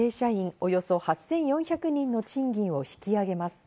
およそ８４００人の賃金を引き上げます。